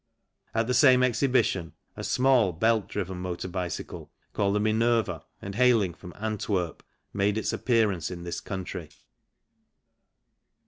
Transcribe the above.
At the same exhibition a small belt driven motor bicycle, called the Minerva, and hailing from Antwerp, made its appearance in this country.